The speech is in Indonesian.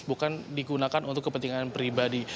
bukan digunakan untuk kepentingan pribadi